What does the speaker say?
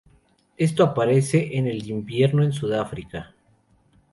Esto aparece en el invierno en Sudáfrica.